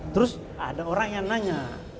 terus ada orang yang nanya